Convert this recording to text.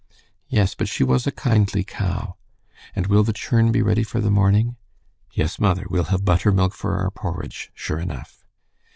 "Yes, but she was a kindly cow. And will the churn be ready for the morning?" "Yes, mother, we'll have buttermilk for our porridge, sure enough."